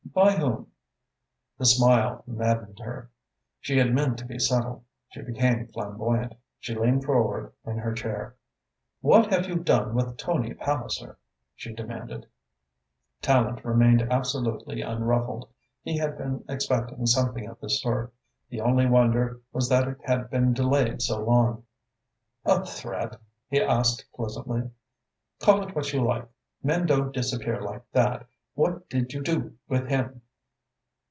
"By whom?" The smile maddened her. She had meant to be subtle. She became flamboyant. She leaned forward in her chair. "What have you done with Tony Palliser?" she demanded. Tallente remained absolutely unruffled. He had been expecting something of this sort. The only wonder was that it had been delayed so long. "A threat?" he asked pleasantly. "Call it what you like. Men don't disappear like that. What did you do with him?"